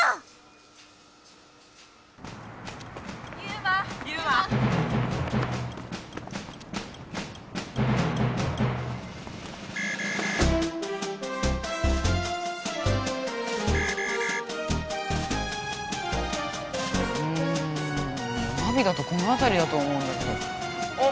うんナビだとこのあたりだと思うんだけど。